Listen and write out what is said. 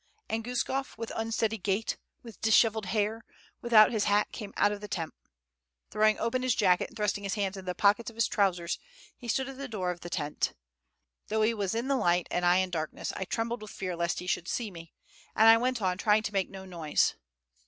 and Guskof, with unsteady gait, with dishevelled hair, without his hat, came out of the tent. Throwing open his jacket, and thrusting his hands into the pockets of his trousers, he stood at the door of the tent. Though he was in the light, and I in darkness; I trembled with fear lest he should see me, and I went on, trying to make no noise.